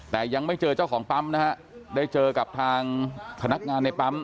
แต่ยังไม่เจอเจ้าของปั๊มนะฮะได้เจอกับทางพนักงานในปั๊ม